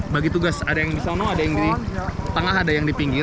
bagi tugas ada yang di sana ada yang di tengah ada yang di pinggir